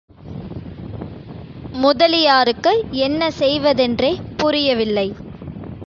முதலியாருக்கு என்ன செய்வதென்றே புரியவில்லை.